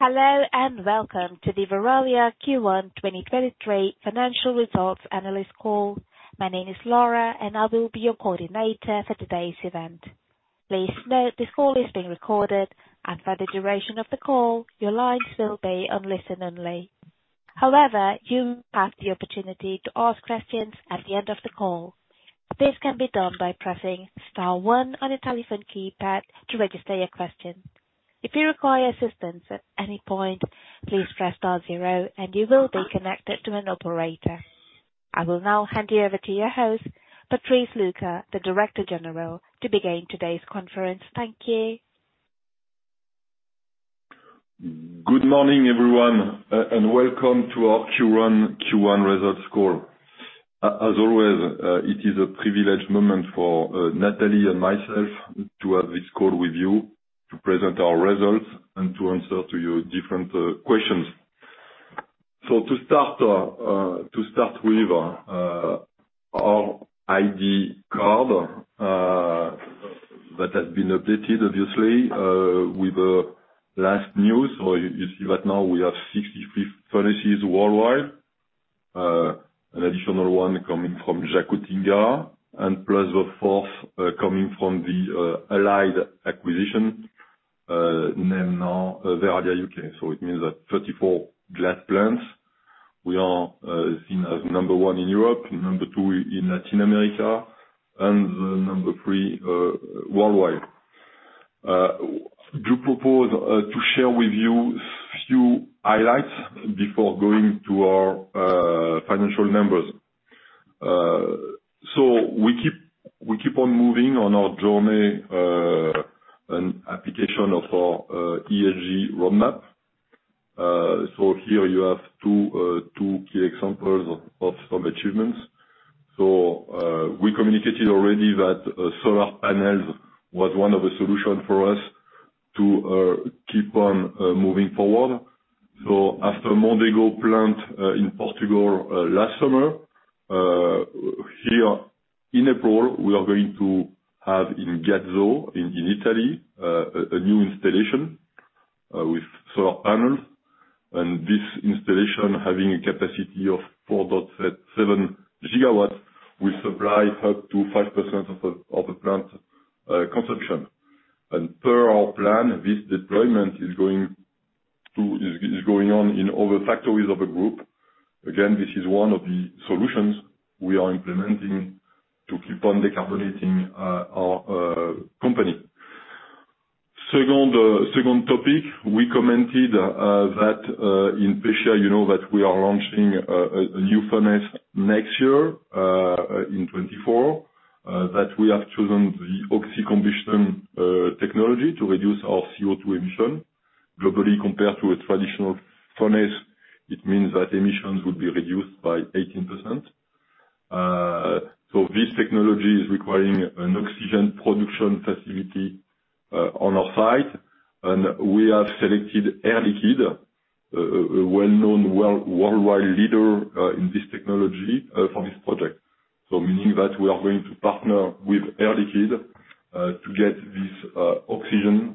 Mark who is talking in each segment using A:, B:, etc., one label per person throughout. A: Hello, and welcome to the Verallia Q1 2023 Financial Results Analyst Call. My name is Laura, and I will be your coordinator for today's event. Please note this call is being recorded, and for the duration of the call, your lines will be on listen-only. However, you have the opportunity to ask questions at the end of the call. This can be done by pressing star one on your telephone keypad to register your question. If you require assistance at any point, please press star zero and you will be connected to an operator. I will now hand you over to your host, Patrice Lucas, the Director General, to begin today's conference. Thank you.
B: Good morning, everyone, and welcome to our Q1 results call. As always, it is a privileged moment for Nathalie and myself to have this call with you to present our results and to answer to your different questions. To start with our ID card that has been updated obviously with the last news. You see that now we have 63 furnaces worldwide. An additional one coming from Jacutinga and plus the 4th coming from the Allied acquisition named now Verallia UK. It means that 34 glass plants, we are seen as number one in Europe, number two in Latin America, and number 3 worldwide. Do propose to share with you few highlights before going to our financial numbers. We keep on moving on our journey and application of our ESG roadmap. Here you have two key examples of some achievements. We communicated already that solar panels was one of the solution for us to keep on moving forward. After Mondego plant in Portugal last summer, here in April, we are going to have in Gazzo, in Italy, a new installation with solar panels. This installation having a capacity of 4.7 gigawatts will supply up to 5% of the plant consumption. Per our plan, this deployment is going on in all the factories of the group. Again, this is one of the solutions we are implementing to keep on decarbonizing our company. Second, second topic, we commented that in Pescia, you know that we are launching a new furnace next year in 2024. That we have chosen the oxycombustion technology to reduce our CO2 emission. Globally, compared to a traditional furnace, it means that emissions will be reduced by 18%. This technology is requiring an oxygen production facility on our site, and we have selected Air Liquide, a well-known worldwide leader in this technology for this project. Meaning that we are going to partner with Air Liquide to get this oxygen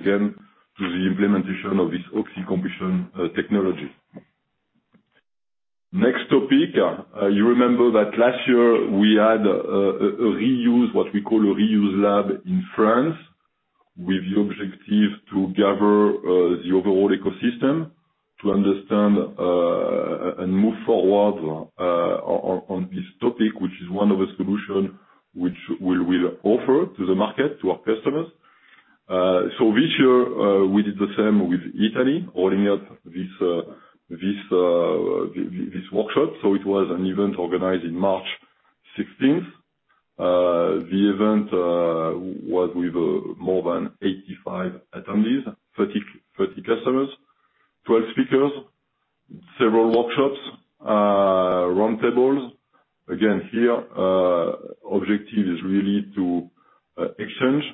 B: and to contribute again to the implementation of this oxycombustion technology. Next topic, you remember that last year we had a reuse lab in France with the objective to gather the overall ecosystem to understand and move forward on this topic, which is one of the solution which we will offer to the market, to our customers. This year, we did the same with Italy, holding up this workshop. It was an event organized in March 16th. The event was with more than 85 attendees, 30 customers, 12 speakers, several workshops, roundtables. Again, here, objective is really to exchange,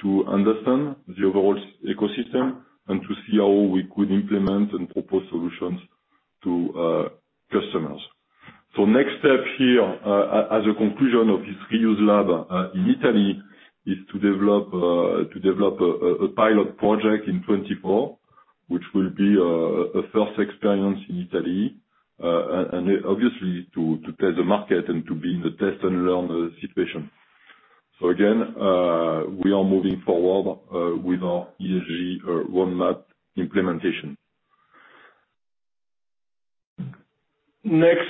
B: to understand the overall ecosystem and to see how we could implement and propose solutions to customers. Next step here, as a conclusion of this reuse lab in Italy, is to develop a pilot project in 2024, which will be a first experience in Italy, and obviously to test the market and to be in the test and learn situation. Again, we are moving forward with our ESG roadmap implementation. Next,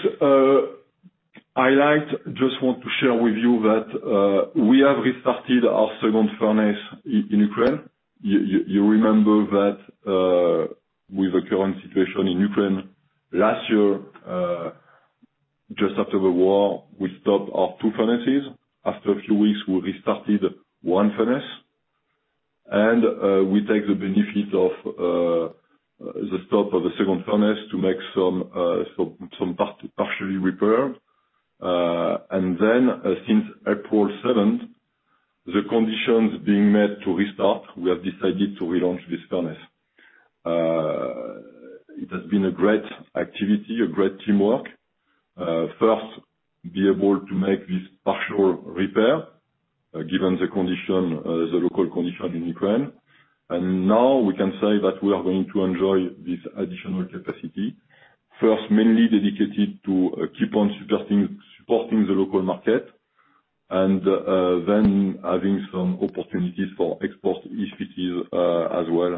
B: highlight, just want to share with you that we have restarted our second furnace in Ukraine. You remember that, with the current situation in Ukraine last year, just after the war, we stopped our two furnaces. After a few weeks, we restarted one furnace. We take the benefit of the stop of the second furnace to make some partially repair. Since April 7th, the conditions being met to restart, we have decided to relaunch this furnace. It has been a great activity, a great teamwork. First be able to make this partial repair, given the condition, the local condition in Ukraine. Now we can say that we are going to enjoy this additional capacity. First, mainly dedicated to supporting the local market, then having some opportunities for export as well,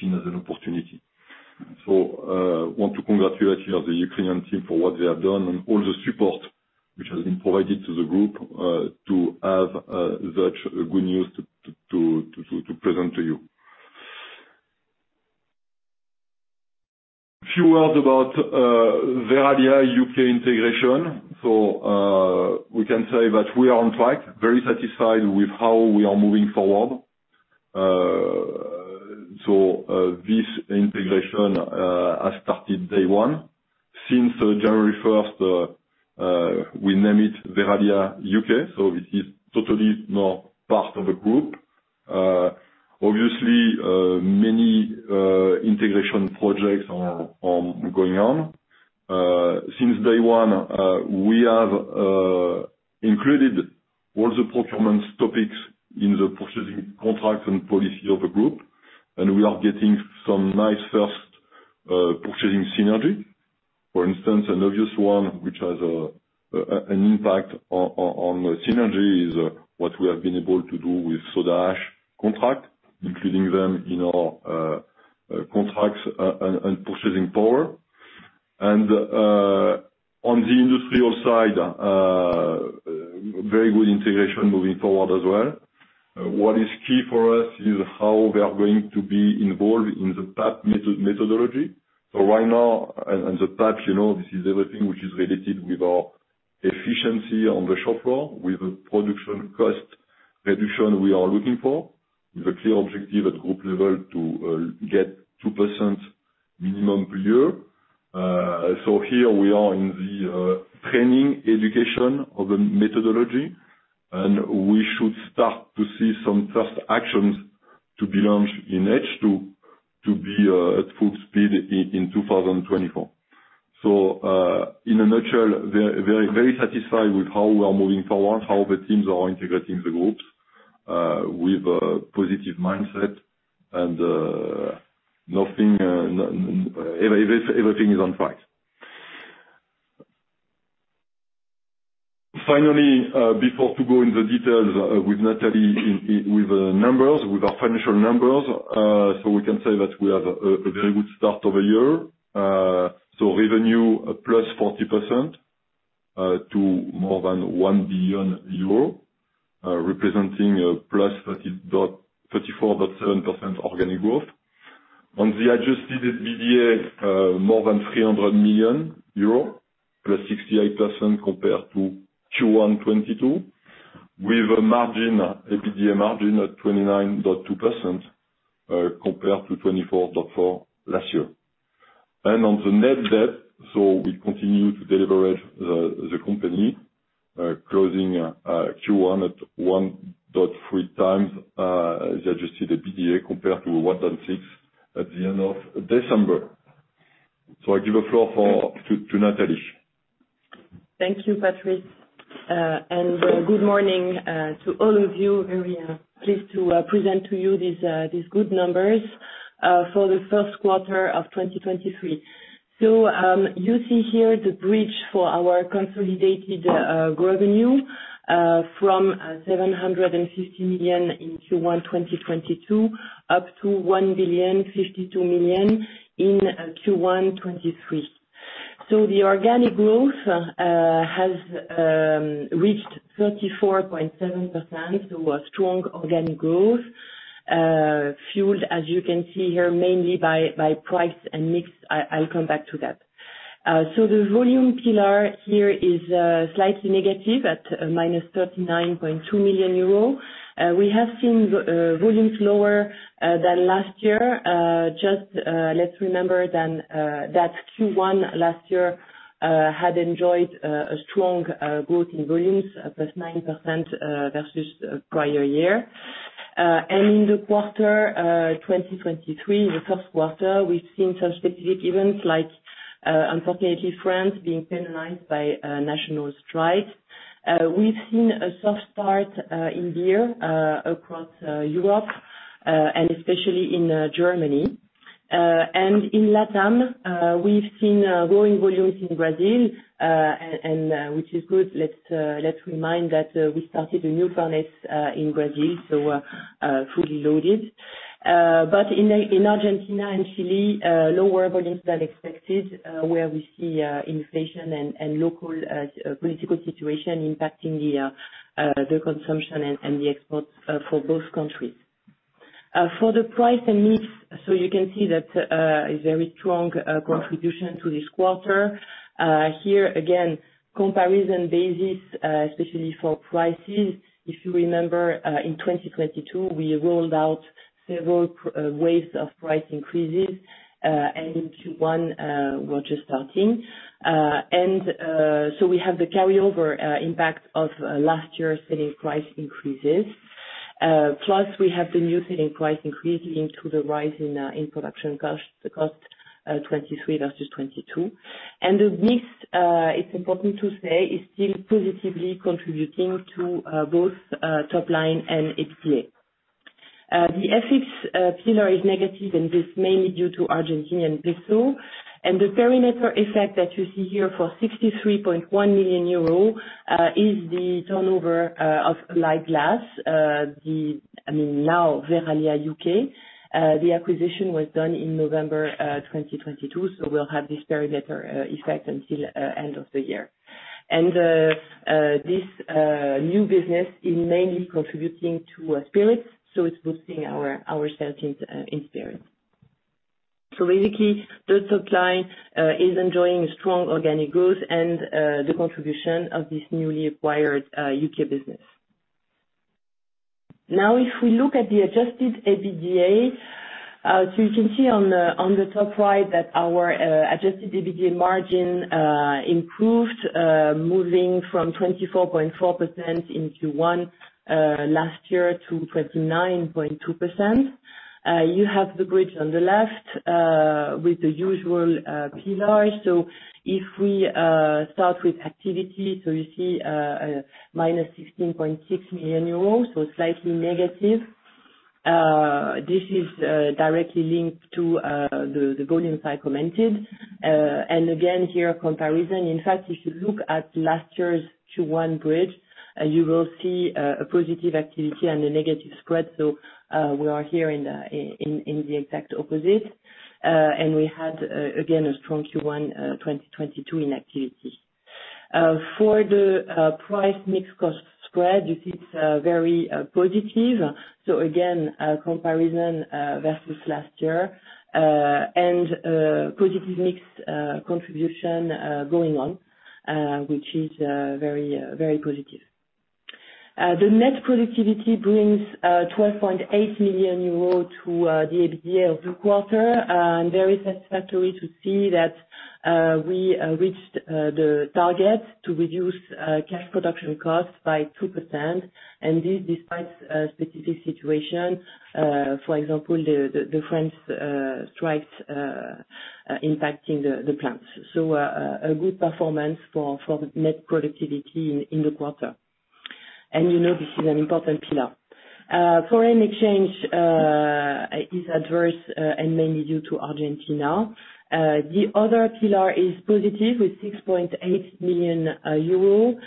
B: seen as an opportunity. Want to congratulate the Ukrainian team for what they have done and all the support which has been provided to the group to have such good news to present to you. Few words about Verallia UK integration. We can say that we are on track, very satisfied with how we are moving forward. This integration has started day one. Since January first, we name it Verallia UK, it is totally now part of a group. Obviously, many integration projects are going on. Since day one, we have included all the procurement topics in the purchasing contract and policy of the group, we are getting some nice first purchasing synergy. For instance, an obvious one, which has an impact on synergy, is what we have been able to do with soda ash contract, including them in our contracts and purchasing power. On the industrial side, very good integration moving forward as well. What is key for us is how we are going to be involved in the PAP methodology. Right now, the PAP, you know, this is everything which is related with our efficiency on the shop floor, with the production cost reduction we are looking for, with a clear objective at group level to get 2% minimum per year. Here we are in the training education of the methodology, we should start to see some first actions to be launched in H2, to be at full speed in 2024. In a nutshell, very satisfied with how we are moving forward, how the teams are integrating the groups with a positive mindset and Everything is on track. Finally, before to go in the details, with Nathalie with the numbers, with our financial numbers. We can say that we have a very good start of a year. Revenue +40%, to more than 1 billion euro, representing a +34.7% organic growth. On the Adjusted EBITDA, more than 300 million euros, +68% compared to Q1 2022, with a margin, a EBITDA margin of 29.2%, compared to 24.4% last year. On the net debt, we continue to de-leverage the company, closing Q1 at 1.3 times Adjusted EBITDA compared to 1.6 times at the end of December. I give the floor for... To, to Nathalie.
C: Thank you, Patrice. Good morning to all of you. Very pleased to present to you these good numbers for the first quarter of 2023. You see here the bridge for our consolidated revenue from 750 million in Q1 2022, up to 1,052 million in Q1 2023. The organic growth has reached 34.7%. A strong organic growth, fueled, as you can see here, mainly by price and mix. I'll come back to that. The volume pillar here is slightly negative at minus 39.2 million euro. We have seen volumes lower than last year. Just let's remember than that Q1 last year had enjoyed a strong growth in volumes, +9% versus prior year. In the quarter 2023, in the first quarter, we've seen some specific events like unfortunately, France being penalized by a national strike. We've seen a soft start in beer across Europe, and especially in Germany. In LATAM, we've seen growing volumes in Brazil, and which is good. Let's remind that we started a new furnace in Brazil, so fully loaded. In Argentina and Chile, lower volumes than expected, where we see inflation and local political situation impacting the consumption and the exports for both countries. For the price and mix, so you can see that a very strong contribution to this quarter. Here again, comparison basis, especially for prices. If you remember, in 2022, we rolled out several waves of price increases, and in Q1, we're just starting. And so we have the carryover impact of last year's selling price increases. Plus we have been using price increase linked to the rise in production cost, the cost 2023 versus 2022. And the mix, it's important to say, is still positively contributing to both top line and EBITDA. The FX pillar is negative, and this is mainly due to Argentinian peso. And the perimeter effect that you see here for 63.1 million euro is the turnover of Allied Glass. The... I mean, now Verallia UK. The acquisition was done in November 2022, so we'll have this perimeter effect until end of the year. This new business is mainly contributing to spirits, so it's boosting our sales in spirits. Basically, the top line is enjoying strong organic growth and the contribution of this newly acquired UK business. Now, if we look at the Adjusted EBITDA, so you can see on the top right that our Adjusted EBITDA margin improved, moving from 24.4% into one last year to 29.2%. You have the bridge on the left, with the usual pillars. If we start with activity, you see -16.6 million euros, slightly negative. This is directly linked to the volumes I commented. Again, here comparison. In fact, if you look at last year's Q1 bridge, you will see a positive activity and a negative spread. We are here in the exact opposite. We had again, a strong Q1 2022 in activity. For the price mix cost spread, you see it's very positive. Again, a comparison versus last year. Positive mix contribution going on, which is very, very positive. The net productivity brings 12.8 million euros to the EBITDA of the quarter. Very satisfactory to see that we reached the target to reduce cash production costs by 2%. This despite a specific situation, for example, the France strikes impacting the plants. A good performance for net productivity in the quarter. You know this is an important pillar. Foreign exchange is adverse and mainly due to Argentina. The other pillar is positive with 6.8 million euro.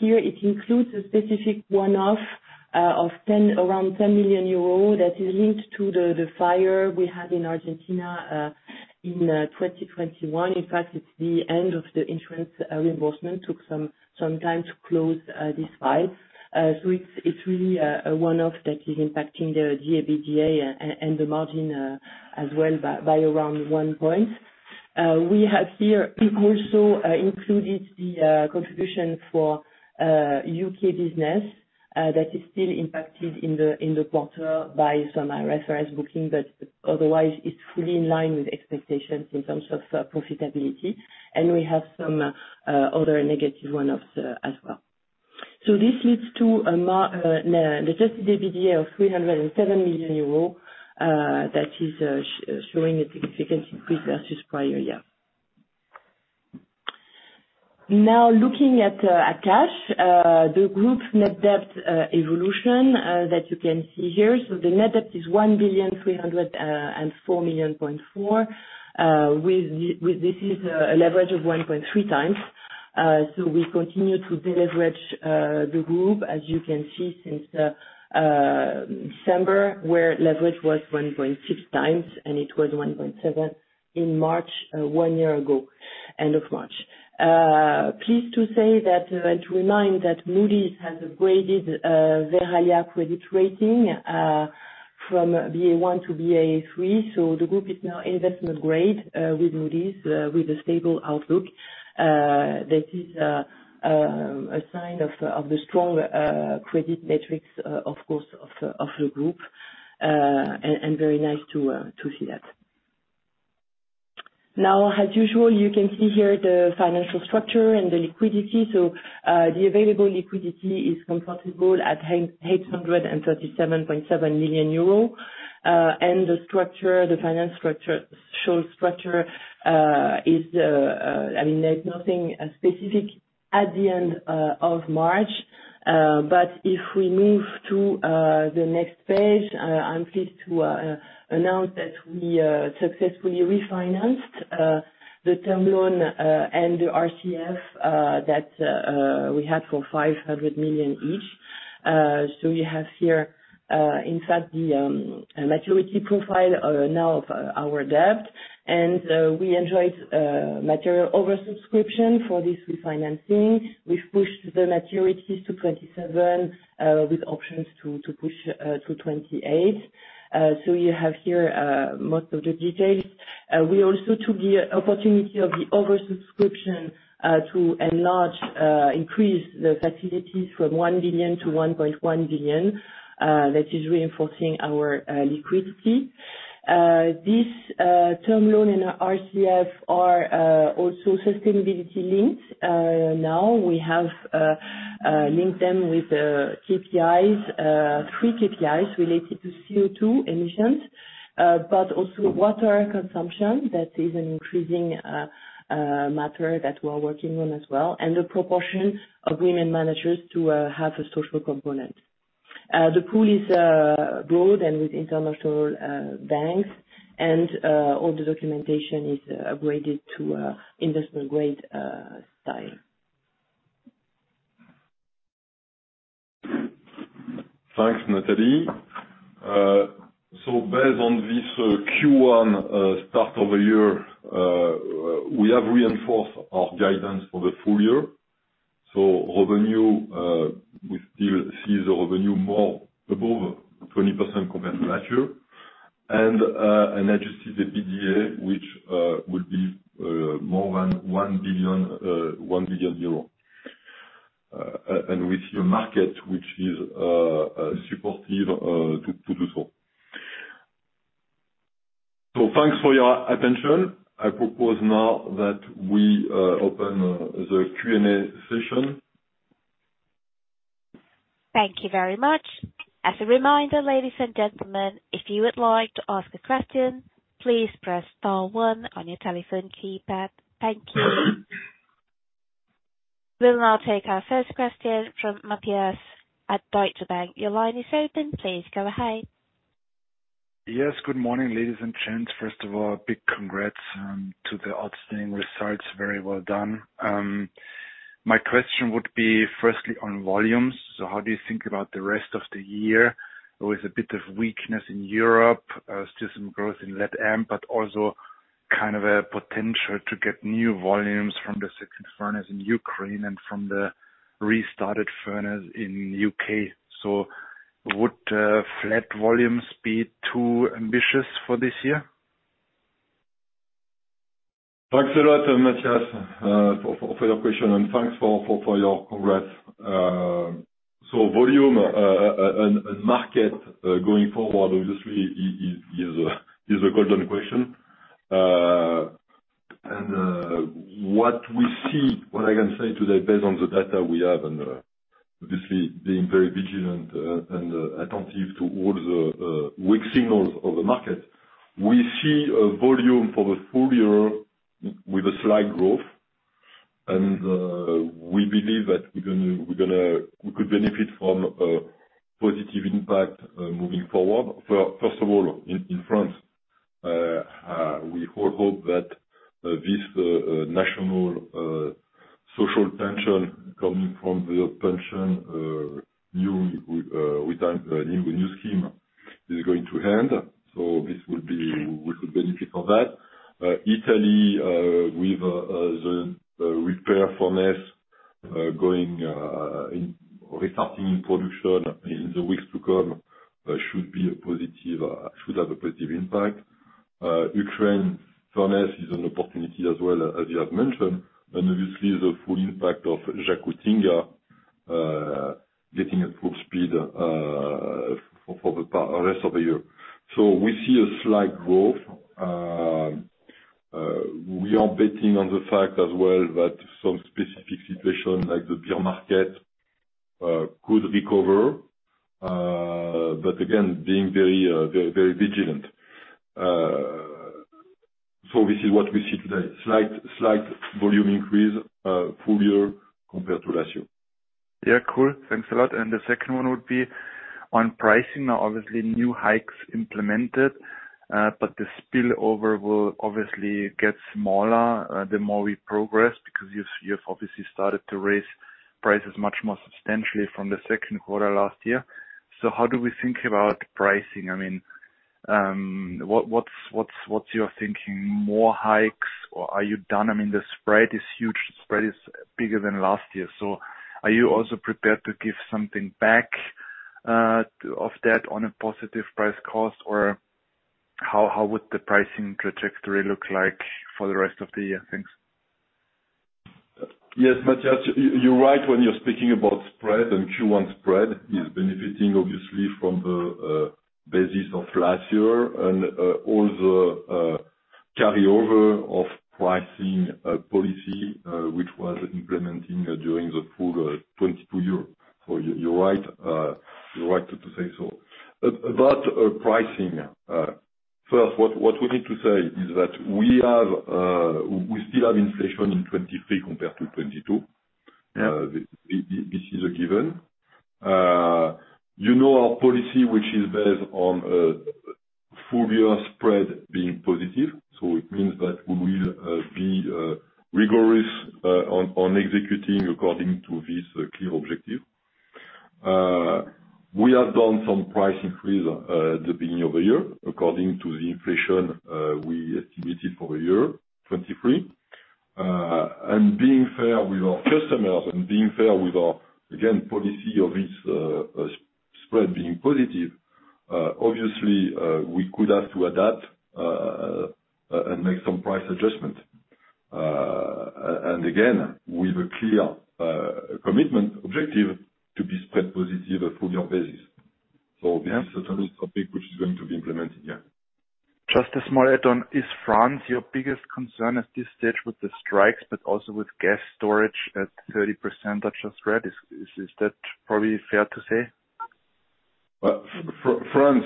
C: Here it includes a specific one-off around 10 million euro that is linked to the fire we had in Argentina in 2021. In fact, it's the end of the insurance reimbursement. Took some time to close this file. It's, it's really a one-off that is impacting the EBITDA and the margin as well by around 1 point. We have here also included the contribution for UK business that is still impacted in the quarter by some RSRS booking, but otherwise it's fully in line with expectations in terms of profitability. We have some other negative one-offs as well. This leads to an Adjusted EBITDA of 307 million euros that is showing a significant increase versus prior year. Looking at cash, the group net debt evolution that you can see here. The net debt is 1,304.4 million. This is a leverage of 1.3 times. We continue to deleverage the group, as you can see since December, where leverage was 1.6 times, and it was 1.7 in March, 1 year ago, end of March. Pleased to say that to remind that Moody's has upgraded Verallia credit rating from Ba1 to Baa3. The group is now Investment Grade with Moody's with a stable outlook. That is a sign of the strong credit metrics, of course, of the group. And very nice to see that. Now, as usual, you can see here the financial structure and the liquidity. The available liquidity is comfortable at 837.7 million euros. The structure, the financial structure shows structure, is, I mean, there's nothing specific at the end of March. If we move to the next page, I'm pleased to announce that we successfully refinanced the term loan and the RCF that we had for 500 million each. You have here, in fact the maturity profile now of our debt. We enjoyed material oversubscription for this refinancing. We've pushed the maturities to 2027 with options to push to 2028. You have here most of the details. We also took the opportunity of the oversubscription to increase the facilities from 1 billion to 1.1 billion. That is reinforcing our liquidity. This term loan in our RCF are also Sustainability-Linked. Now we have linked them with KPIs, 3 KPIs related to CO2 emissions, but also water consumption. That is an increasing matter that we're working on as well, and the proportion of women managers to have a social component. The pool is broad and with international banks, and all the documentation is upgraded to Investment Grade style.
B: Thanks, Nathalie. Based on this Q1 start of the year, we have reinforced our guidance for the full year. Revenue, we still see the revenue above 20% compared to last year. Adjusted EBITDA, which will be more than 1 billion euro, and with the market which is supportive to do so. Thanks for your attention. I propose now that we open the Q&A session.
A: Thank you very much. As a reminder, ladies and gentlemen, if you would like to ask a question, please press star one on your telephone keypad. Thank you. We'll now take our first question from Mathias at Deutsche Bank. Your line is open. Please go ahead.
D: Yes. Good morning, ladies and gents. First of all, big congrats to the outstanding results. Very well done. My question would be firstly on volumes. How do you think about the rest of the year with a bit of weakness in Europe, still some growth in LatAm, but also kind of a potential to get new volumes from the second furnace in Ukraine and from the restarted furnace in UK. Would flat volumes be too ambitious for this year?
B: Thanks a lot, Mathias, for your question, and thanks for your congrats. Volume and market going forward, obviously is a golden question. What I can say today based on the data we have and obviously being very vigilant and attentive to all the weak signals of the market, we see a volume for the full year with a slight growth. We believe that we could benefit from a positive impact moving forward. First of all, in France, we all hope that this national social tension coming from the pension new with new scheme is going to end. This will be we could benefit from that. Italy, with the repair furnace, restarting in production in the weeks to come, should be a positive, should have a positive impact. Ukraine furnace is an opportunity as well, as you have mentioned. Obviously the full impact of Jacutinga, getting at full speed, for the rest of the year. We see a slight growth. We are betting on the fact as well that some specific situation like the beer market, could recover, again, being very, very vigilant. This is what we see today, slight volume increase, full year compared to last year.
D: Yeah. Cool. Thanks a lot. The second one would be on pricing. Now, obviously new hikes implemented, but the spillover will obviously get smaller, the more we progress because you've obviously started to raise prices much more substantially from the second quarter last year. How do we think about pricing? I mean, what's your thinking? More hikes, or are you done? I mean, the spread is huge. The spread is bigger than last year. Are you also prepared to give something back of that on a positive price cost? How would the pricing trajectory look like for the rest of the year? Thanks.
B: Yes, Mathias, you're right when you're speaking about spread and Q1 spread. Is benefiting obviously from the basis of last year and all the carryover of pricing policy which was implementing during the full 22 year. You're right, you're right to say so. About pricing, first, what we need to say is that we have, we still have inflation in 23 compared to 22.
D: Yeah.
B: This is a given. You know our policy, which is based on full year spread being positive. It means that we will be rigorous on executing according to this clear objective. We have done some price increase the beginning of the year according to the inflation we estimated for the year, 23. Being fair with our customers and being fair with our, again, policy of this spread being positive, obviously, we could have to adapt and make some price adjustment. Again, with a clear commitment objective to be spread positive full year basis. This is a topic which is going to be implemented, yeah.
D: Just a small add-on. Is France your biggest concern at this stage with the strikes, but also with gas storage at 30% that you've read, is that probably fair to say?
B: France,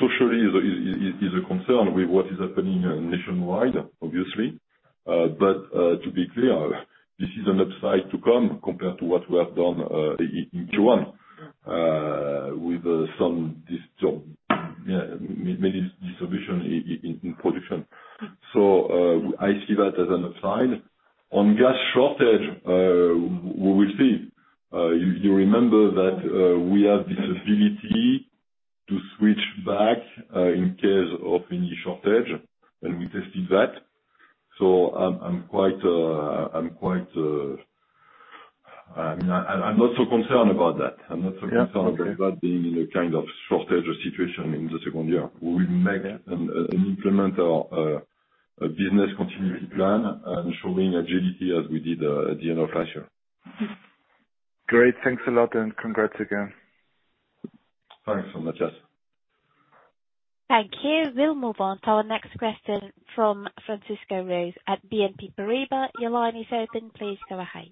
B: socially is a concern with what is happening nationwide, obviously. To be clear, this is an upside to come compared to what we have done in Q1 with many distribution in production. I see that as an upside. On gas shortage, we will see. You remember that we have this ability to switch back in case of any shortage, and we tested that. I'm quite. I mean, I'm not so concerned about that. I'm not so concerned about being in a kind of shortage situation in the second year. We will make and implement our business continuity plan and showing agility as we did at the end of last year.
D: Great. Thanks a lot, and congrats again.
B: Thanks so much, Mathias
A: Thank you. We'll move on to our next question from Francisco Ruiz at BNP Paribas. Your line is open. Please go ahead.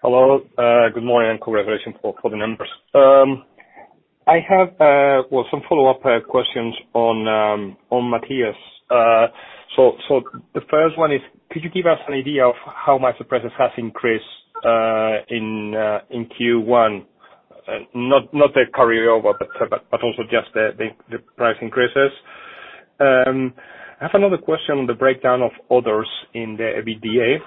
E: Hello. Good morning, congratulations for the numbers. Well, I have some follow-up questions on Matthias. The first one is could you give us an idea of how much the prices has increased in Q1? Not the carryover, also just the price increases. I have another question on the breakdown of orders in the EBITDA.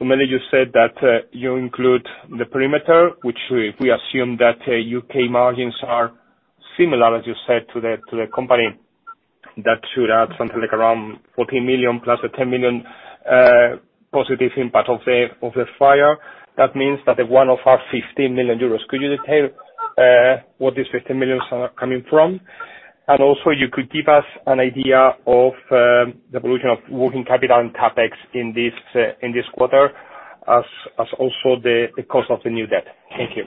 E: Maybe you said that you include the perimeter, which we assume that UK margins are similar, as you said, to the company. That should add something like around 14 million plus the 10 million positive impact of the fire. That means that the one-off are 50 million euros. Could you detail what these 50 million are coming from? You could give us an idea of the evolution of working capital and CapEx in this quarter, as also the cost of the new debt. Thank you.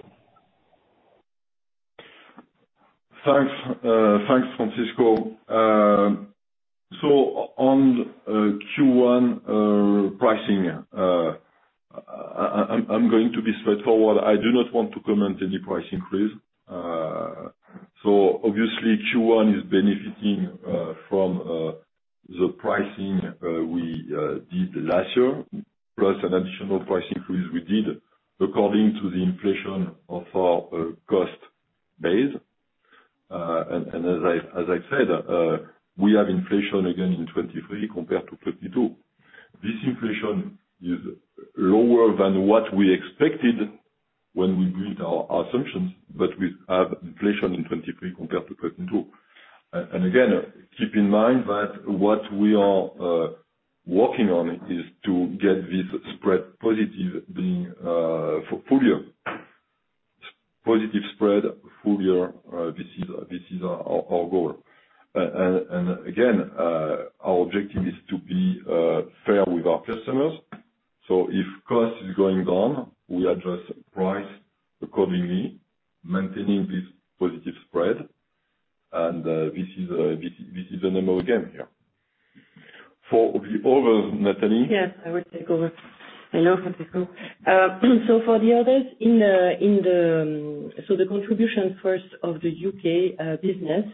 B: Thanks. Thanks, Francisco Ruiz. So on Q1 pricing, I'm going to be straightforward. I do not want to comment any price increase. Obviously Q1 is benefiting from the pricing we did last year, plus an additional price increase we did according to the inflation of our cost base. As I said, we have inflation again in 2023 compared to 2022. This inflation is lower than what we expected when we built our assumptions, but we have inflation in 2023 compared to 2022. Again, keep in mind that what we are working on is to get this spread positive being full year. Positive spread full year, this is our goal. Again, our objective is to be fair with our customers. If cost is going down, we adjust price accordingly, maintaining this positive spread. This is the name of the game here. For the others, Nathalie?
C: Yes, I will take over. Hello, Francisco Ruiz. For the others in the contribution first of the UK business,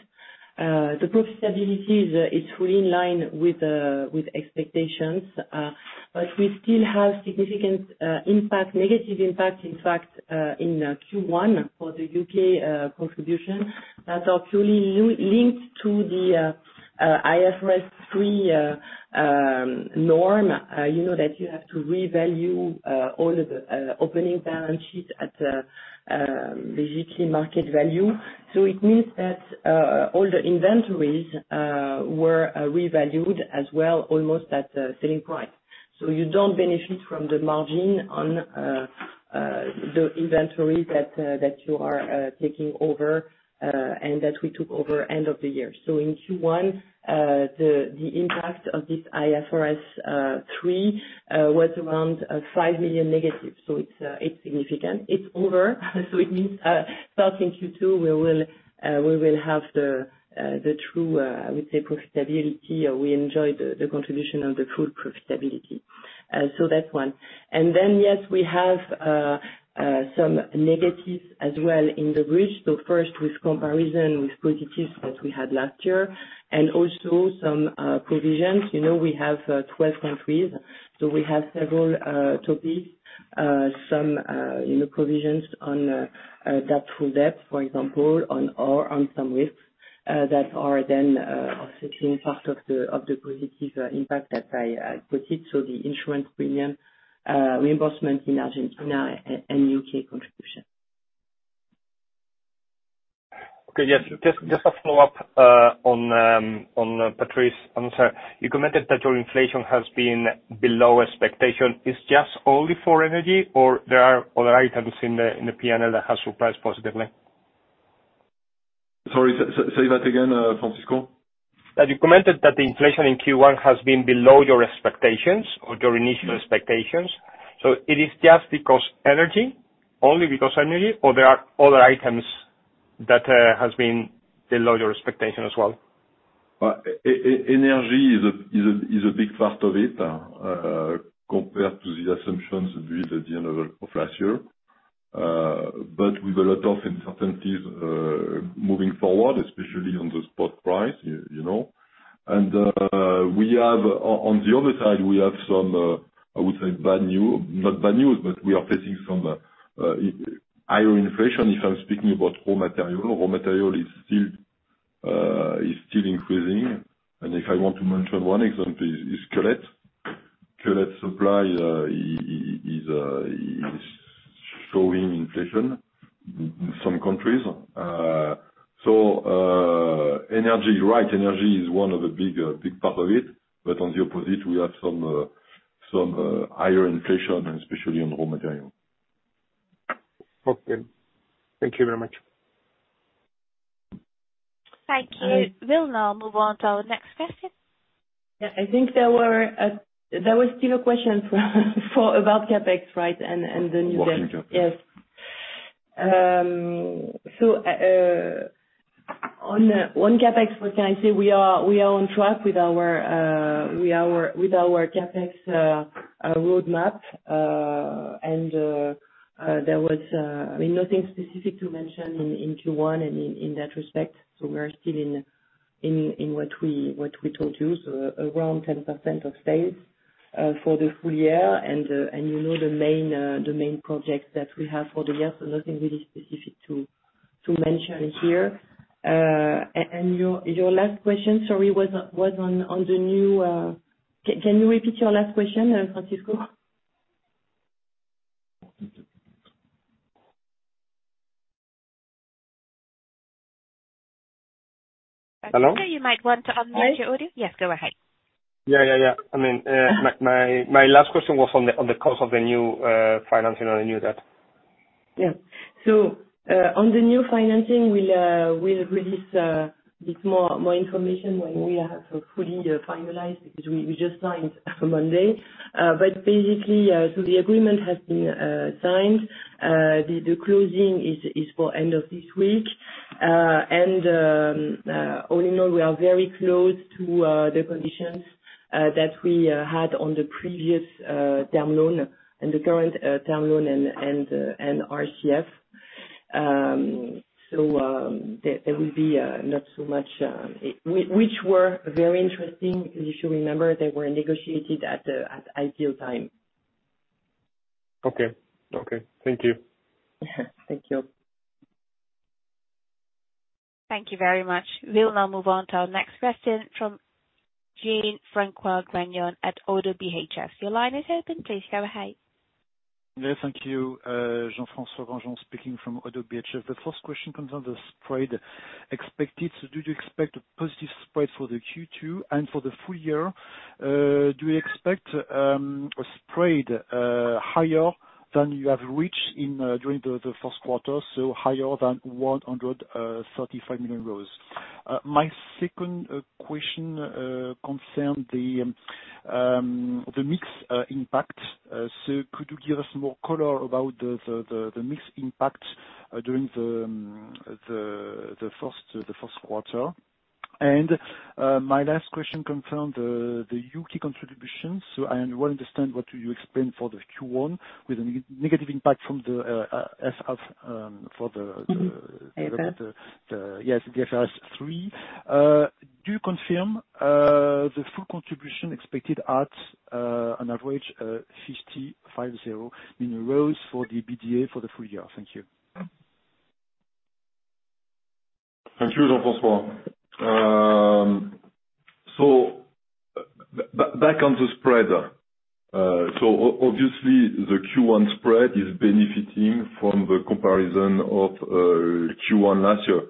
C: the profitability is fully in line with expectations. We still have significant impact, negative impact in fact, in Q1 for the UK contribution that are fully linked to the IFRS 3 norm. You know, that you have to revalue all of the opening balance sheet at basically market value. It means that all the inventories were revalued as well almost at selling price. You don't benefit from the margin on the inventory that you are taking over and that we took over end of the year. In Q1, the impact of this IFRS 3 was around 5 million negative, so it's significant. It's over, so it means starting Q2, we will have the true, I would say profitability, or we enjoy the contribution of the full profitability. That's one. Yes, we have some negatives as well in the bridge. First with comparison with positives that we had last year, and also some provisions. You know we have 12 countries, so we have several topics, some, you know, provisions on, that full depth, for example, on, or on some risks, that are then, obviously part of the positive impact that I proceed, so the insurance premium reimbursement in Argentina and UK contribution.
E: Okay. Yes. Just a follow-up on Patrice. I'm sorry. You commented that your inflation has been below expectation. It's just only for energy, or there are other items in the P&L that have surprised positively?
F: Sorry, say that again, Francisco.
E: That you commented that the inflation in Q1 has been below your expectations or your initial expectations. It is just because energy, only because energy or there are other items that has been below your expectation as well?
F: Well, energy is a big part of it, compared to the assumptions we did at the end of last year. With a lot of uncertainties, moving forward, especially on the spot price, you know. We have on the other side, we have some, I would say not bad news, but we are facing some higher inflation, if I'm speaking about raw material. Raw material is still increasing. If I want to mention one example is cullet. Cullet supply is showing inflation in some countries. Energy, right, energy is one of the big, big part of it. On the opposite we have some higher inflation and especially on raw material.
E: Okay. Thank you very much.
A: Thank you. We'll now move on to our next question.
C: Yeah, I think there were, there was still a question for for about CapEx, right?
F: Working capital.
C: Yes. On, on CapEx, what can I say? We are on track with our CapEx roadmap. I mean, nothing specific to mention in Q1 in that respect. We are still in what we told you. Around 10% of sales for the full year. You know, the main projects that we have for the year, so nothing really specific to mention here. Your last question, sorry, was on the new... Can you repeat your last question, Francisco?
E: Hello?
A: Francisco, you might want to unmute your audio. Yes, go ahead.
E: Yeah. Yeah. Yeah. I mean, my last question was on the cost of the new financing on the new debt.
C: Yeah. On the new financing, we'll release this more information when we have fully finalized, because we just signed on Monday. Basically, the agreement has been signed. The closing is for end of this week. All in all, we are very close to the conditions that we had on the previous term loan and the current term loan and RCF. There will be not so much... Which were very interesting, you should remember they were negotiated at the ideal time.
E: Okay. Okay. Thank you.
C: Thank you.
A: Thank you very much. We'll now move on to our next question from Jean-Francois Granjon at ODDO BHF. Your line is open. Please go ahead.
F: Yes, thank you. Jean-François Granjon speaking from ODDO BHF. The first question concerns the spread expected. Do you expect a positive spread for the Q2 and for the full year? Do you expect a spread higher than you have reached during the first quarter, so higher than 135 million euros? My second question concern the mix impact. Could you give us more color about the mix impact during the first quarter? My last question concern the U.K. contributions. I want to understand what you explained for the Q1 with a negative impact from the F for the. Yes, the IFRS 3. Do you confirm the full contribution expected at an average 550 million for the EBITDA for the full year? Thank you.
C: Thank you, Jean-François. Back on the spread. Obviously the Q1 spread is benefiting from the comparison of Q1 last year.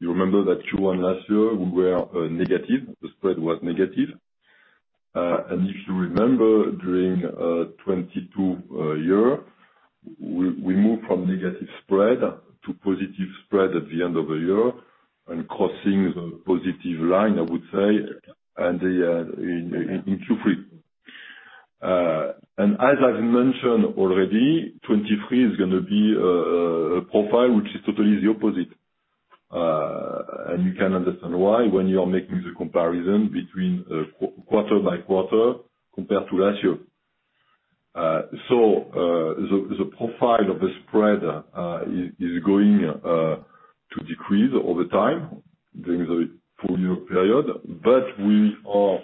C: You remember that Q1 last year we were negative, the spread was negative. If you remember, during 2022 year, we moved from negative spread to positive spread at the end of the year and crossing the positive line, I would say, and in Q3. As I've mentioned already, 2023 is gonna be a profile which is totally the opposite. You can understand why when you are making the comparison between quarter by quarter compared to last year. The profile of the spread is going to decrease over time during the full year period. We are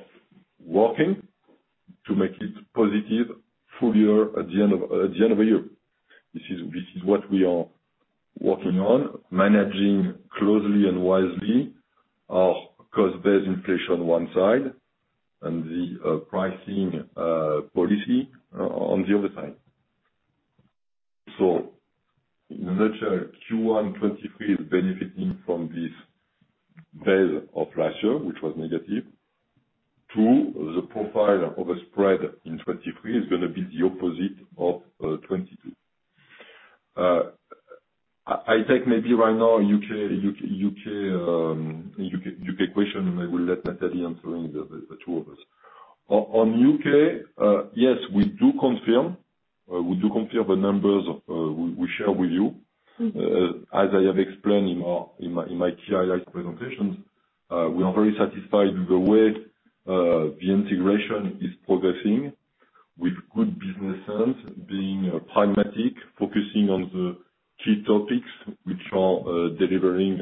C: working to make it positive full year at the end of the year. This is what we are working on. Managing closely and wisely our cost base inflation on one side and the pricing policy on the other side. In a nutshell, Q1 2023 is benefiting from this base of last year, which was negative.
B: Two, the profile of a spread in 2023 is gonna be the opposite of 2022. I take maybe right now U.K. question, and I will let Nathalie answering the two of us. On U.K., yes, we do confirm, we do confirm the numbers we share with you. As I have explained in my TII presentations, we are very satisfied with the way, the integration is progressing. With good businesses being pragmatic, focusing on the key topics which are delivering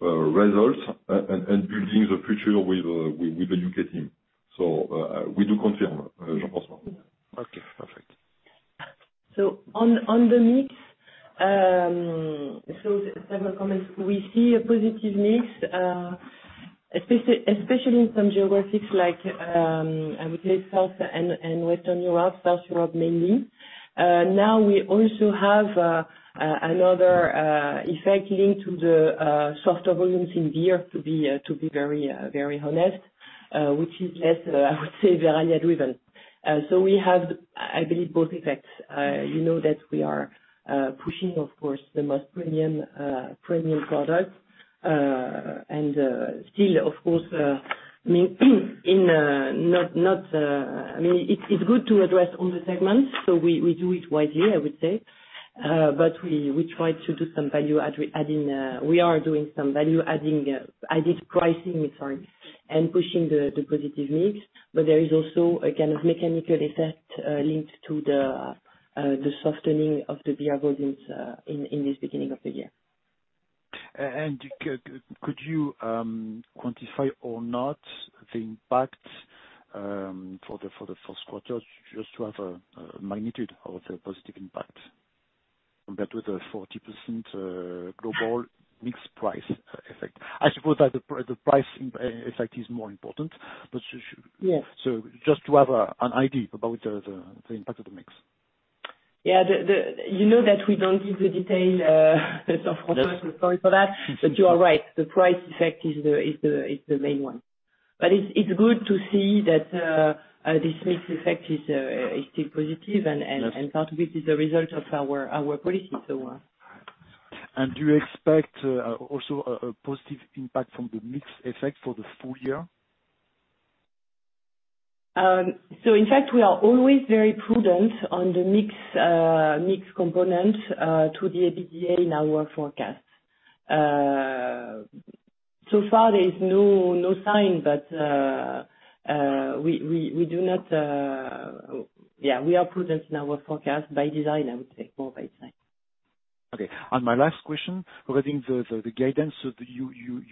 B: results and building the future with the UK team. We do confirm, Jean-François.
F: Okay, perfect.
C: On the mix, so several comments, we see a positive mix, especially in some geographies like, I would say South and Western Europe, South Europe mainly. We also have another effect linked to the softer volumes in beer to be very, very honest, which is less, I would say, inaudible driven. We have, I believe, both effects. You know that we are pushing, of course, the most premium products. Still, of course, in not... I mean, it's good to address all the segments, so we do it widely, I would say. We try to do some value-adding, we are doing some value-adding, added pricing, sorry, and pushing the positive mix. There is also, again, a mechanical effect, linked to the softening of the beer volumes, in this beginning of the year.
F: Could you quantify or not the impact for the first quarter just to have a magnitude of the positive impact compared to the 40% global mix price effect? I suppose that the price effect is more important, but.
C: Yes.
F: Just to have an idea about the impact of the mix.
C: Yeah. You know that we don't give the detail, so sorry for that. You are right, the price effect is the main one. It's good to see that this mix effect is still positive.
F: Yes.
C: part of it is a result of our policy, so.
F: Do you expect, also a positive impact from the mix effect for the full year?
C: In fact, we are always very prudent on the mix component, to the EBITDA in our forecast. So far there is no sign. Yeah, we are prudent in our forecast by design, I would say, more by design.
F: Okay. My last question regarding the guidance. You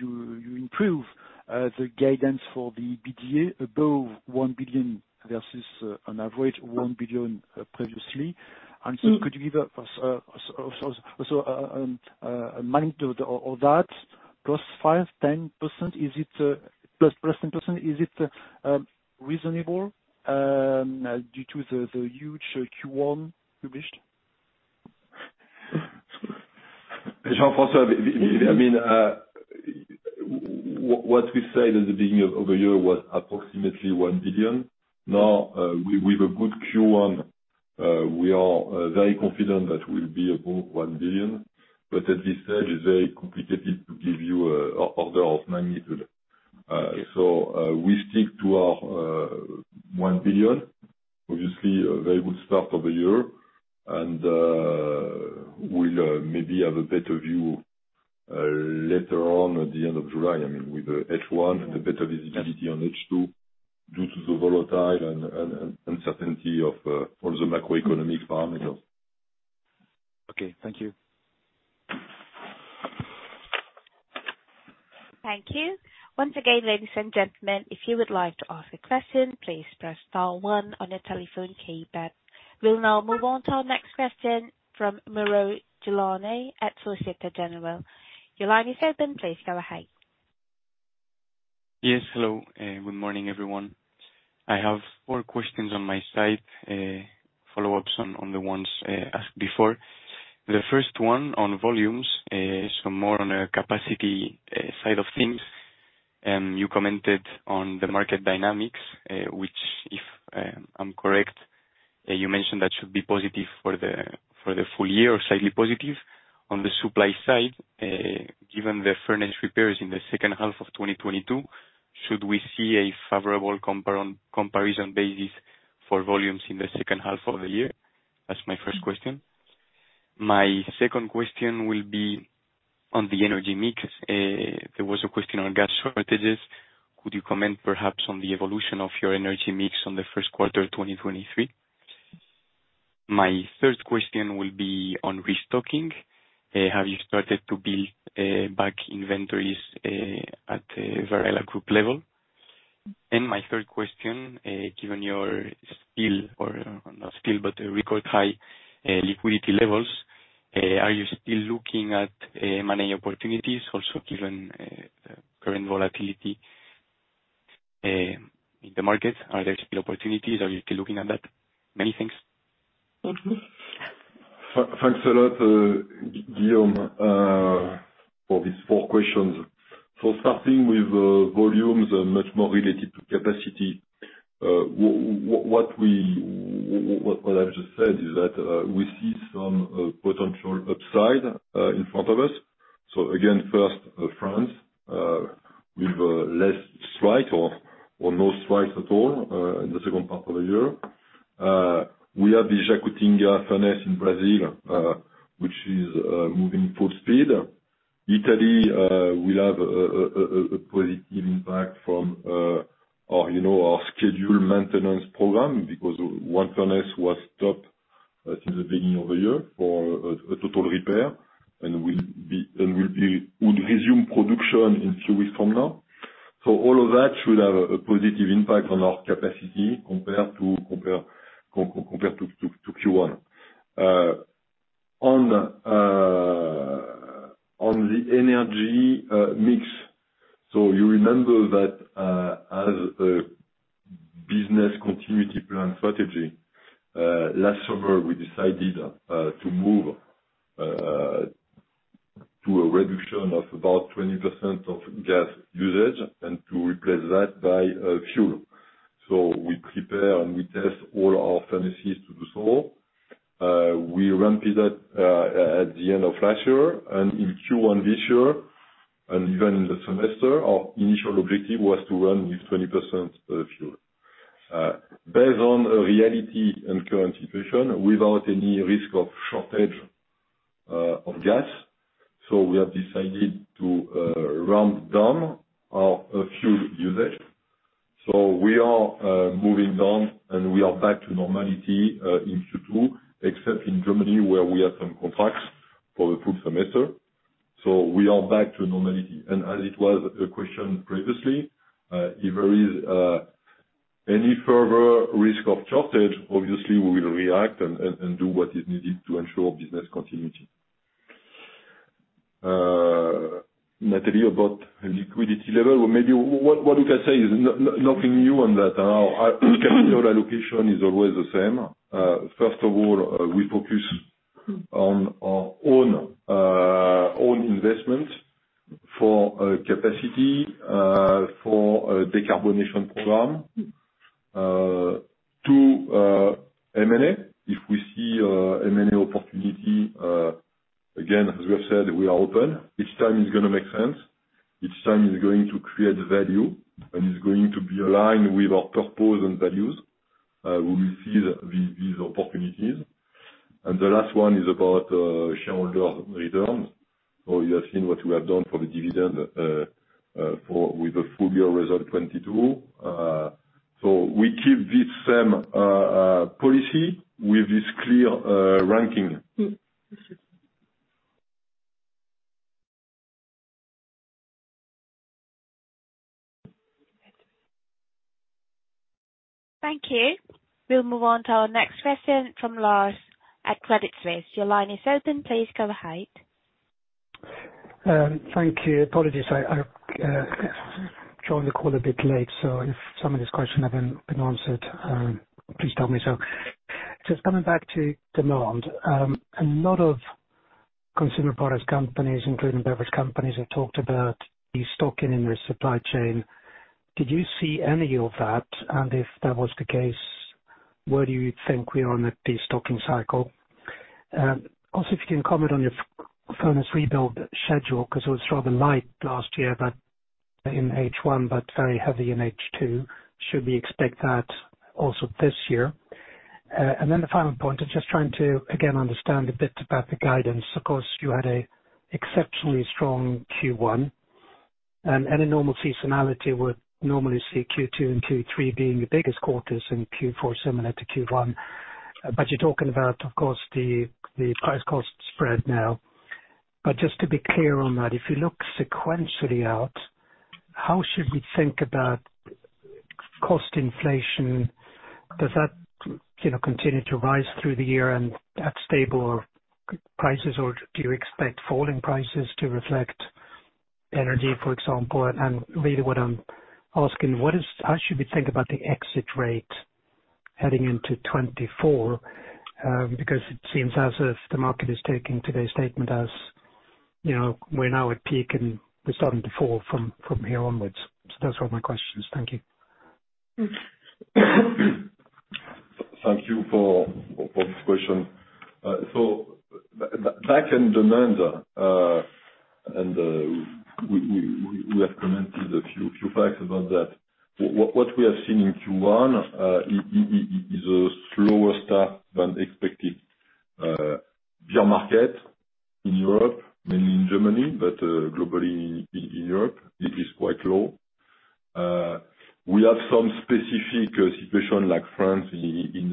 F: improve the guidance for the EBITDA above 1 billion versus an average of 1 billion previously. Could you give us a magnitude of that, +5-10%? Is it +10% reasonable due to the huge Q1 published?
B: Jean-François, I mean, what we said at the beginning of the year was approximately 1 billion. With a good Q1, we are very confident that we'll be above 1 billion. At this stage, it's very complicated to give you order of magnitude.
F: Okay.
B: We stick to our 1 billion. Obviously, a very good start of the year. We'll maybe have a better view later on at the end of July. I mean, with the H1 and a better visibility on H2 due to the volatile and uncertainty of all the macroeconomic fundamentals.
F: Okay, thank you.
A: Thank you. Once again, ladies and gentlemen, if you would like to ask a question, please press star one on your telephone keypad. We'll now move on to our next question from Moreau Gilani at Societe Generale. Your line is open. Please go ahead.
G: Yes, hello. Good morning, everyone. I have four questions on my side, follow-ups on the ones asked before. The first one on volumes, so more on a capacity side of things. You commented on the market dynamics, which if I'm correct, you mentioned that should be positive for the full year or slightly positive. On the supply side, given the furnace repairs in the second half of 2022, should we see a favorable comparison basis for volumes in the second half of the year? That's my first question. My second question will be on the energy mix. There was a question on gas shortages. Could you comment perhaps on the evolution of your energy mix on the first quarter 2023? My third question will be on restocking. Have you started to build back inventories at a Verallia Group level? My third question, given your still, or not still, but a record high liquidity levels, are you still looking at M&A opportunities also given current volatility in the market? Are there still opportunities? Are you still looking at that? Many things.
B: Thanks a lot, Guillaume, for these four questions. Starting with, volumes are much more related to capacity. What I've just said is that we see some potential upside in front of us. Again, first, France, with less strike or no strike at all in the second half of the year. We have the Jacutinga furnace in Brazil, which is moving full speed. Italy will have a positive impact from our, you know, our scheduled maintenance program because one furnace was stopped since the beginning of the year for a total repair and will resume production in few weeks from now. All of that should have a positive impact on our capacity compared to Q1. On the energy mix. We prepare and we test all our furnaces to do so. We ramped that at the end of last year and in Q1 this year, and even in the semester, our initial objective was to run with 20% fuel. Based on the reality and current situation without any risk of shortage of gas. We have decided to ramp down our fuel usage. We are moving down, and we are back to normality in Q2, except in Germany, where we have some contracts for the full semester. We are back to normality. As it was a question previously, if there is any further risk of shortage, obviously we will react and do what is needed to ensure business continuity. Nathalie, about liquidity level, maybe what we can say is nothing new on that. Our capital allocation is always the same. First of all, we focus on our own own investment for capacity, for a decarbonization program, to M&A. If we see a M&A opportunity, again, as we have said, we are open. Each time it's gonna make sense, each time is going to create value and is going to be aligned with our purpose and values, we will see these opportunities. The last one is about shareholder returns. You have seen what we have done for the dividend for with the full year result 2022. We keep this same policy with this clear ranking.
A: Thank you. We'll move on to our next question from Lars at Credit Suisse. Your line is open. Please go ahead.
H: Thank you. Apologies I joined the call a bit late, if some of these questions have been answered, please tell me so. Just coming back to demand, a lot of consumer products companies, including beverage companies, have talked about destocking in the supply chain. Did you see any of that? If that was the case, where do you think we are in the destocking cycle? Also if you can comment on your furnace rebuild schedule, because it was rather light last year, but in H1 but very heavy in H2. Should we expect that also this year? The final point is just trying to again understand a bit about the guidance. Of course, you had an exceptionally strong Q1 and any normal seasonality would normally see Q2 and Q3 being the biggest quarters and Q4 similar to Q1. You're talking about, of course, the price cost spread now. Just to be clear on that, if you look sequentially out, how should we think about cost inflation? Does that, you know, continue to rise through the year and at stable prices, or do you expect falling prices to reflect energy, for example? Really what I'm asking, how should we think about the exit rate heading into 2024? Because it seems as if the market is taking today's statement as, you know, we're now at peak and we're starting to fall from here onwards. That's all my questions. Thank you.
B: Thank you for this question. Back in demand, and we have commented a few facts about that. What we have seen in Q1 is a slower start than expected, pure market in Europe, mainly in Germany, but globally in Europe, it is quite low. We have some specific situation like France in,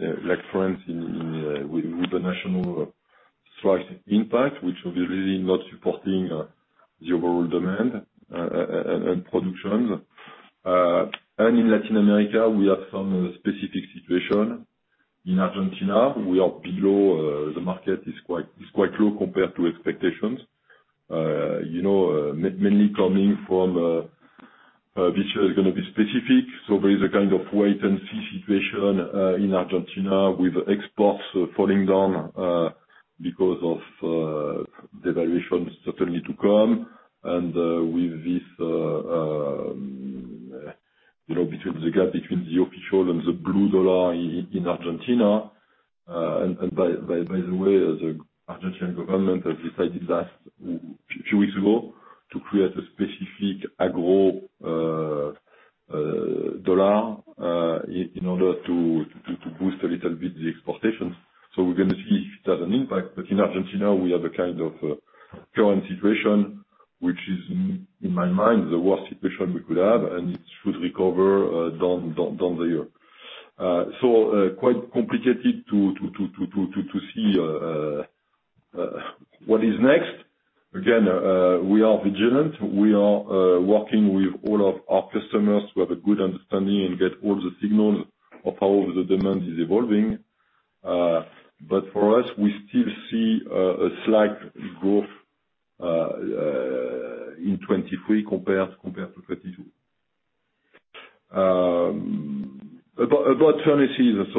B: with the national strike impact, which will be really not supporting the overall demand and production. In Latin America, we have some specific situation. In Argentina, we are below, the market is quite low compared to expectations. You know, mainly coming from, this year is gonna be specific. There is a kind of wait and see situation in Argentina with exports falling down because of the valuations certainly to come. With this, you know, between the gap between the official and the blue dollar in Argentina. By the way, the Argentine government has decided that a few weeks ago to create a specific agro dollar in order to boost a little bit the exportations. We're gonna see if it has an impact. In Argentina we have a kind of current situation which is in my mind, the worst situation we could have, and it should recover down the year. Quite complicated to see what is next. Again, we are vigilant. We are working with all of our customers who have a good understanding and get all the signals of how the demand is evolving. For us, we still see a slight growth in 2023 compared to 2032. About furnaces,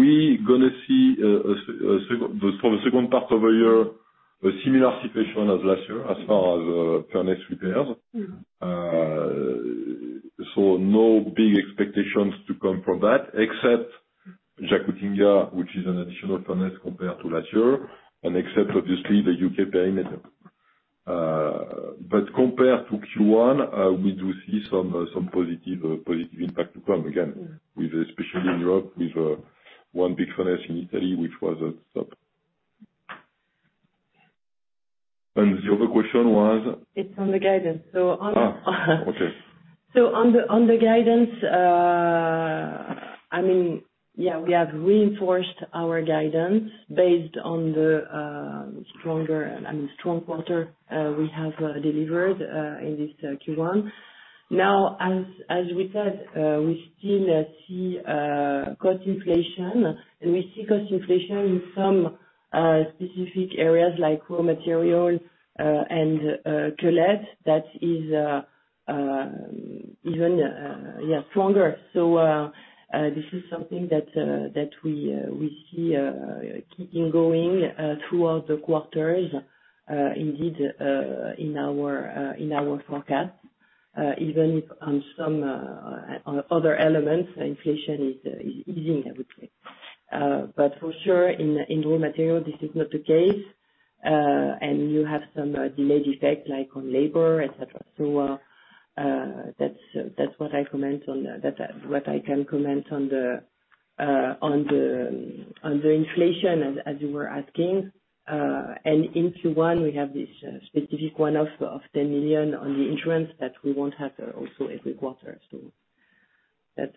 B: we gonna see for the second part of the year, a similar situation as last year as far as furnace repairs. No big expectations to come from that except Jacutinga, which is an additional furnace compared to last year, and except obviously the UK parameter. Compared to Q1, we do see some positive impact to come. With especially in Europe with, one big furnace in Italy, which was a sub. The other question was?
C: It's on the guidance. On the
B: Okay.
C: On the guidance, I mean, yeah, we have reinforced our guidance based on the stronger, I mean, strong quarter we have delivered in this Q1. As we said, we still see cost inflation, and we see cost inflation in some specific areas like raw material and cullet that is even yeah, stronger. This is something that we see keeping going throughout the quarters, indeed, in our in our forecast, even if on some on other elements inflation is easing, I would say. For sure in raw material this is not the case. You have some delayed effects like on labor, et cetera. That's, that's what I comment on, that's what I can comment on the inflation as you were asking. In Q1 we have this specific one-off of 10 million on the insurance that we won't have also every quarter. That's.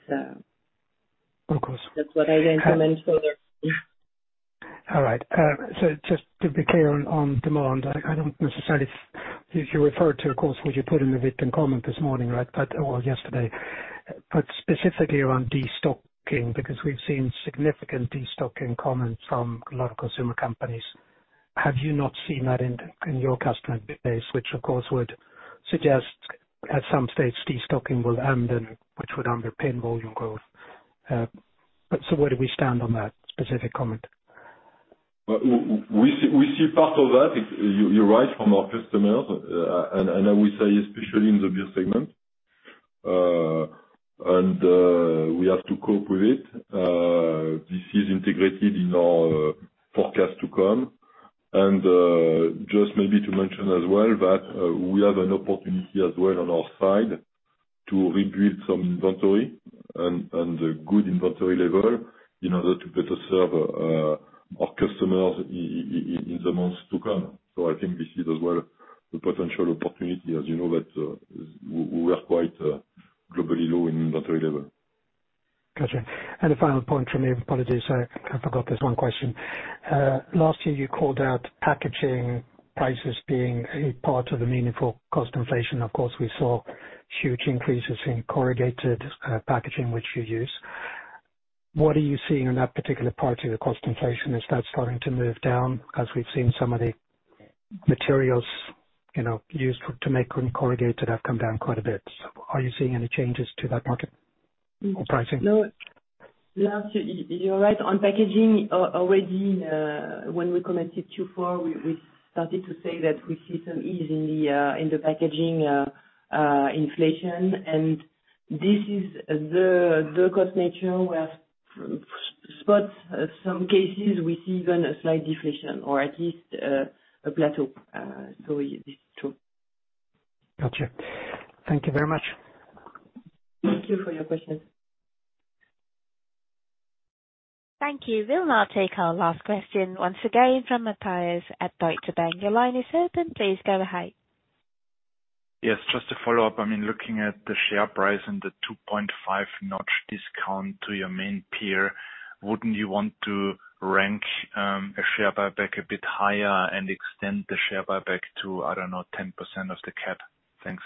B: Of course.
C: That's what I can comment further.
B: All right. Just to be clear on demand, I don't necessarily if you referred to, of course, what you put in the written comment this morning, right? Yesterday. Specifically around de-stocking, because we've seen significant de-stocking comments from a lot of consumer companies. Have you not seen that in your customer base, which of course would suggest at some stage de-stocking will end, and which would underpin volume growth. Where do we stand on that specific comment? We see part of that, you're right, from our customers. We say especially in the beer segment. We have to cope with it. This is integrated in our forecast to come. Just maybe to mention as well that we have an opportunity as well on our side to rebuild some inventory and a good inventory level in order to better serve our customers in the months to come. I think we see as well the potential opportunity, as you know, that we were quite globally low in inventory level.
C: A final point from me. Apologies, I forgot there's one question. Last year you called out packaging prices being a part of the meaningful cost inflation. Of course, we saw huge increases in corrugated packaging, which you use. What are you seeing on that particular part of the cost inflation? Is that starting to move down? We've seen some of the materials, you know, used to make corrugated have come down quite a bit. Are you seeing any changes to that market or pricing?
B: No. No. You're right. On packaging already, when we commented Q4, we started to say that we see some ease in the packaging inflation. This is the cost nature where spots some cases we see even a slight deflation or at least a plateau. This is true.
C: Gotcha. Thank you very much.
B: Thank you for your question.
A: Thank you. We'll now take our last question once again from Mathias at Deutsche Bank. Your line is open. Please go ahead. I mean, looking at the share price and the 2.5 notch discount to your main peer, wouldn't you want to rank a share buyback a bit higher and extend the share buyback to, I don't know, 10% of the CapEx? Thanks.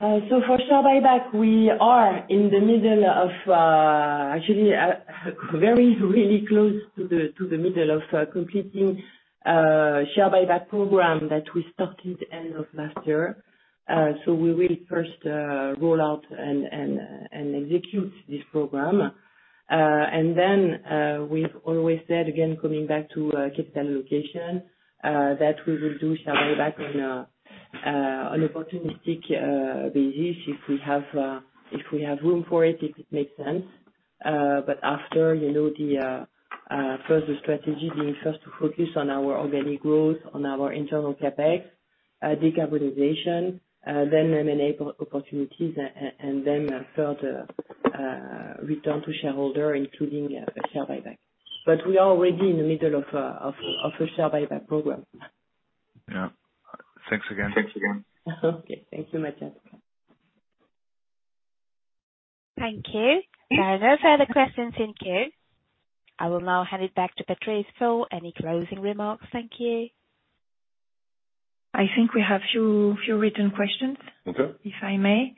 C: For share buyback, we are in the middle of, actually, very really close to the middle of completing share buyback program that we started end of last year. We will first roll out and execute this program. Then, we've always said again, coming back to capital allocation, that we will do share buyback on an opportunistic basis if we have room for it, if it makes sense. After, you know, the first strategy being first to focus on our organic growth, on our internal CapEx, decarbonization, then M&A opportunities, and then further return to shareholder including share buyback. We are already in the middle of a share buyback program.
B: Yeah. Thanks again.
C: Okay. Thank you, Matthias.
A: Thank you. No further questions in queue. I will now hand it back to Patrice for any closing remarks. Thank you.
C: I think we have few written questions.
B: Okay.
C: If I may.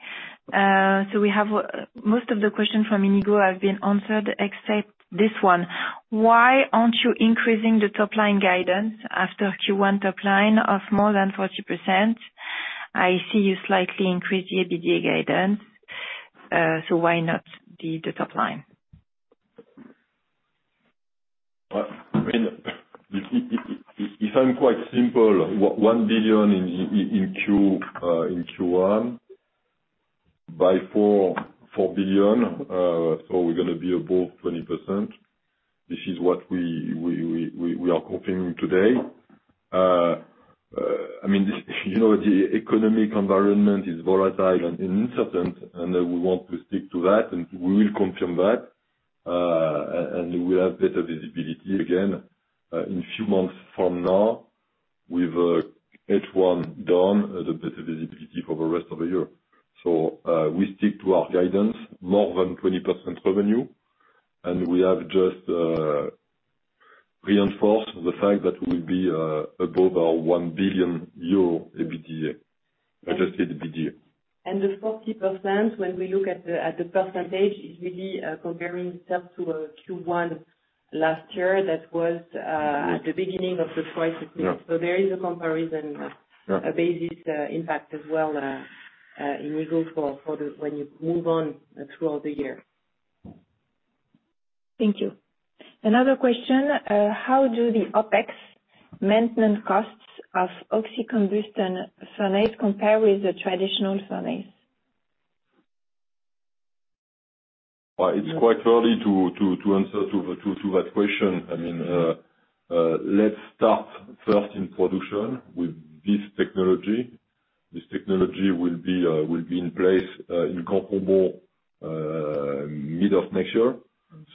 C: Most of the questions from Iñigo have been answered except this one. Why aren't you increasing the top line guidance after Q1 top line of more than 40%? I see you slightly increased the EBITDA guidance. Why not the top line?
B: I mean, if I'm quite simple, 1 billion in Q1 by 4 billion, we're gonna be above 20%. This is what we are confirming today. I mean, you know, the economic environment is volatile and uncertain, and we want to stick to that, and we will confirm that. We have better visibility again in few months from now with H1 down, the better visibility for the rest of the year. We stick to our guidance, more than 20% revenue. We have just reinforced the fact that we'll be above our 1 billion euro Adjusted EBITDA.
C: The 40%, when we look at the, at the percentage, is really comparing itself to Q1 last year that was at the beginning of the crisis period.
B: Yeah.
C: There is a comparison.
B: Yeah...
C: a basis, impact as well, in rigor for, when you move on through the year. Thank you. Another question. How do the OpEx maintenance costs of oxy-combustion furnace compare with the traditional furnace?
B: It's quite early to answer to that question. I mean, let's start first in production with this technology. This technology will be in place in Conflans mid of next year.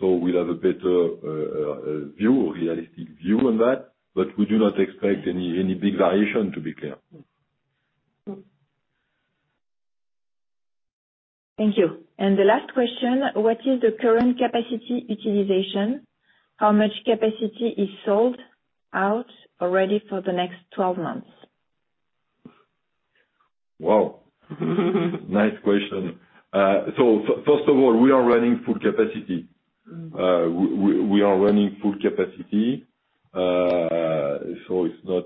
B: We'll have a better view, realistic view on that. We do not expect any big variation, to be clear.
C: Thank you. The last question, what is the current capacity utilization? How much capacity is sold out already for the next 12 months?
B: Wow. Nice question. First of all, we are running full capacity. We are running full capacity. It's not.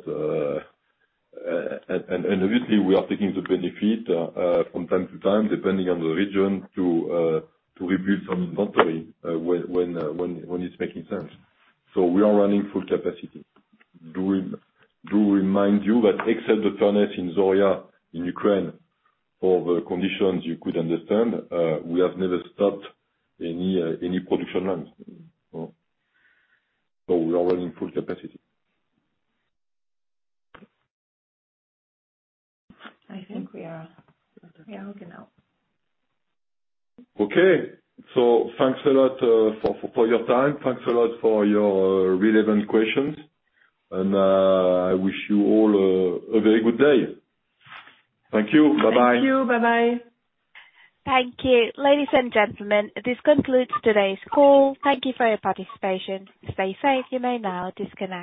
B: And obviously, we are taking the benefit from time to time, depending on the region, to rebuild some inventory, when it's making sense. We are running full capacity. To remind you that except the furnace in Zorya in Ukraine, for the conditions you could understand, we have never stopped any production lines. We are running full capacity.
C: I think we are, Yeah, we can now.
B: Okay. Thanks a lot for your time. Thanks a lot for your relevant questions. I wish you all a very good day. Thank you. Bye-bye.
C: Thank you. Bye-bye.
A: Thank you. Ladies and gentlemen, this concludes today's call. Thank you for your participation. Stay safe. You may now disconnect.